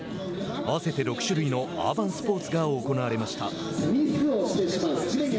あわせて６種類のアーバンスポーツが行われました。